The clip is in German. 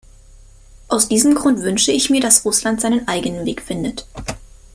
Aus diesem Grund wünsche ich mir, dass Russland seinen eigenen Weg findet.